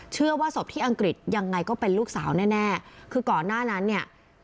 เชื่อว่าศพที่อังกฤษยังไงก็เป็นลูกสาวแน่แน่คือก่อนหน้านั้นเนี่ย